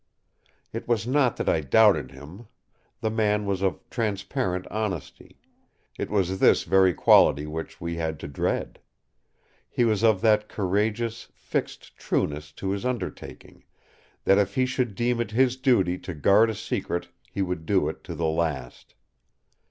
It was not that I doubted him. The man was of transparent honesty; it was this very quality which we had to dread. He was of that courageous, fixed trueness to his undertaking, that if he should deem it his duty to guard a secret he would do it to the last.